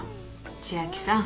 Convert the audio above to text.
千明さん。